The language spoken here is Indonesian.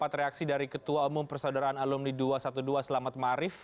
dapat reaksi dari ketua umum persaudaraan alumni dua ratus dua belas selamat marif